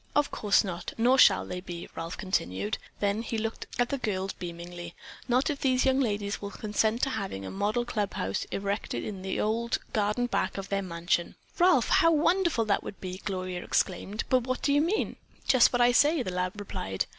"Of course not, nor shall they be," Ralph continued. Then he looked at the girls beamingly. "Not if these young ladies will consent to having a model clubhouse erected in the old garden back of their mansion." "Ralph, how wonderful that would be!" Gloria exclaimed. "But what do you mean?" "Just what I say," the lad replied.